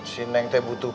si neng teh butuh